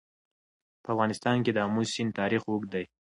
په افغانستان کې د آمو سیند تاریخ اوږد دی.